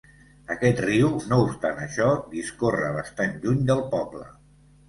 Aquest riu, no obstant això, discorre bastant lluny del poble.